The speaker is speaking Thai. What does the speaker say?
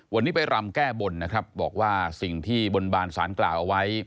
วันนี้ไปรำแก้บนนะครับบอกว่าสิ่งที่บนบานสารกล่าวเอาไว้